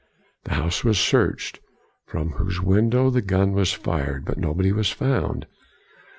The house was searched, from whose window the gun was fired, but nobody was found.